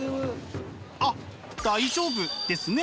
あっ大丈夫ですね。